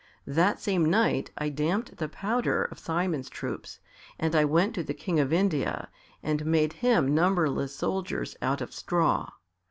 That same night I damped the powder of Simon's troops and I went to the King of India and made him numberless soldiers out of straw.